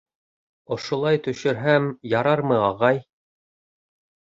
— Ошолай төшөрһәм, ярармы, ағай?